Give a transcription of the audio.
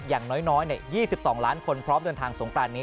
อย่างน้อย๒๒ล้านคนพร้อมเดินทางสงกรานนี้